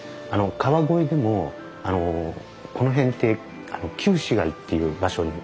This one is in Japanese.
川越でもこの辺って旧市街っていう場所にあたるんですね。